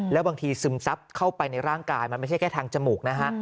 แล้วบางทีซึมซับเข้าไปในร่างกายมันไม่ใช่แค่ทางจมูกนะฮะ